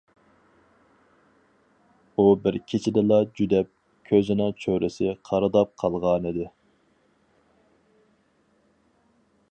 ئۇ بىر كېچىدىلا جۈدەپ، كۆزىنىڭ چۆرىسى قارىداپ قالغانىدى.